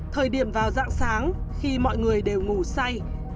thời điểm vào dạng sáng khi mọi người đều ngủ say